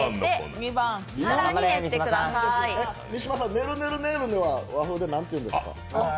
ねるねるねるねは和風でなんて言うんですか？